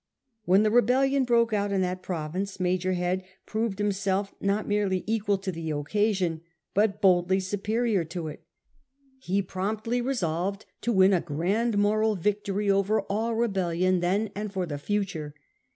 When the rebellion broke out in that province, Major Head proved himself not merely equal to the occasion, but boldly superior to it. He promptly resolved to win a grand moral victory over all rebellion then and for the future.